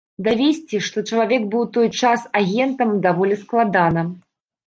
Давесці, што чалавек быў у той час агентам, даволі складана.